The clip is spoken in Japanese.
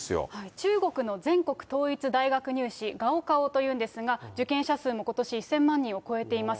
中国の全国統一大学入試、ガオカオというんですが、受験者数もことし１０００万人を超えています。